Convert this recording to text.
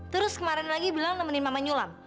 terus kemarin lagi bilang nemenin maman nyulam